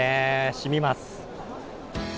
しみます。